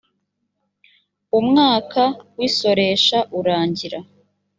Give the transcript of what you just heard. umwaka w’isoresha urangira